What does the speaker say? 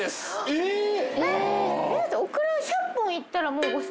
えっ？